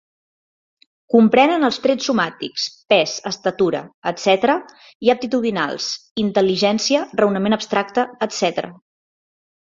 Comprenen els trets somàtics: pes, estatura, etcètera; i aptitudinals: intel·ligència, raonament abstracte, etcètera.